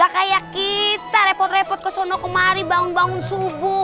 kayak kita repot repot kesana kemari bangun bangun subuh